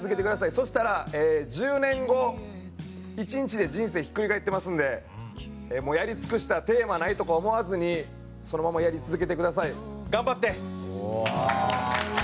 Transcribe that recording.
そしたら１０年後１日で人生ひっくり返ってますんで「もうやり尽くした」「テーマない」とか思わずにそのままやり続けてください。頑張って！